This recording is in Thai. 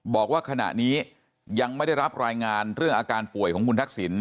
บอกว่าขณะนี้ยังไม่ได้รับรายงานเรื่องอาการป่วยของคุณทักษิณ